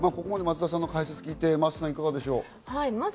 ここまで松田さんの解説を聞いて真麻さん、いかがですか？